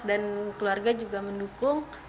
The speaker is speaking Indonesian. dan keluarga juga mendukung